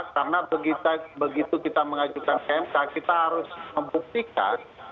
karena begitu kita mengajukan kmk kita harus membuktikan